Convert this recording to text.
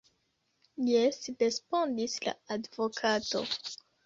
Jes, respondis la advokato.